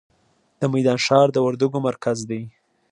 د میدان ښار د وردګو مرکز دی